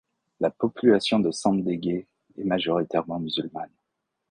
La population de Sandégué est majoritairement musulmane.